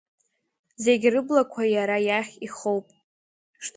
Зегь рыблақәа иара иахь ихоуп.